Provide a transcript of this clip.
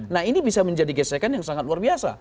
nah ini bisa menjadi gesekan yang sangat luar biasa